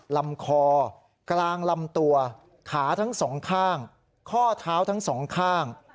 ลำคอกลางลำตัวขาทั้งสองข้างข้อเท้าทั้งสองข้าง